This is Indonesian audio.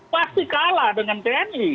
pasti kalah dengan tni